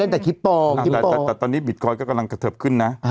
แต่ตอนนี้บิตคอยต์จะขนาดขึ้นนะ